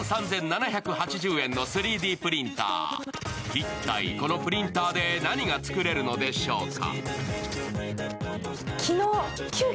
一体このプリンターで何が作れるのでしょうか。